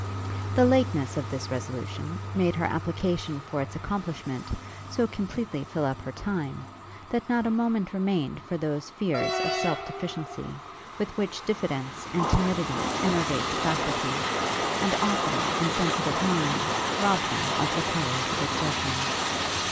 The lateness of this resolution, made her application for its accomplishment so completely fill up her time, that not a moment remained for those fears of self deficiency, with which diffidence and timidity enervate the faculties, and often, in sensitive minds, rob them of the powers of exertion.